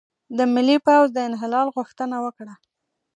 د ملي پوځ د انحلال غوښتنه وکړه،